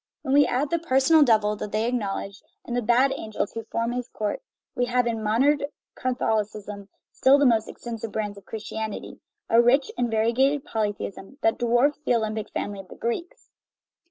When we add the "personal Devil" that they acknowledge, and the "bad angels" who form his court, we have in modern Catholicism, still the most extensive branch of Christianity, a rich and variegated polytheism that dwarfs the Olympic family of the Greeks.